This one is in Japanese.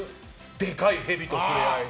でかいヘビとの触れ合い。